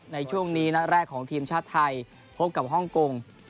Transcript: ในช่วงนี้นัดแรกของทีมชาติไทยพบกับฮ่องกง